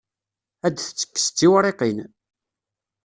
Ad d-tettekkes d tiwriqin.